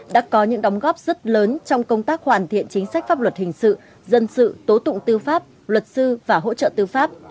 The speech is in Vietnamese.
đã có những đóng góp rất lớn trong công tác hoàn thiện chính sách pháp luật hình sự dân sự tố tụng tư pháp luật sư và hỗ trợ tư pháp